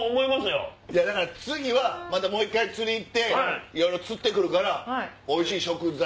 だから次はもう１回釣り行っていろいろ釣って来るからおいしい食材。